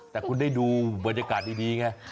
แต่คุณได้ดูบรรยากาศดีไง